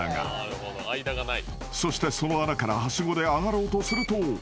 ［そしてその穴からはしごで上がろうとすると］